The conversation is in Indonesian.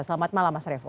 selamat malam mas revo